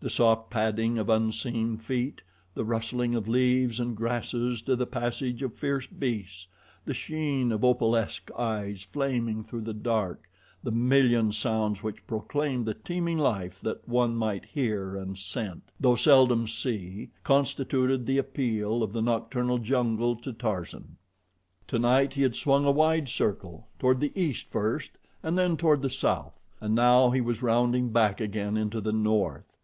The soft padding of unseen feet, the rustling of leaves and grasses to the passage of fierce beasts, the sheen of opalesque eyes flaming through the dark, the million sounds which proclaimed the teeming life that one might hear and scent, though seldom see, constituted the appeal of the nocturnal jungle to Tarzan. Tonight he had swung a wide circle toward the east first and then toward the south, and now he was rounding back again into the north.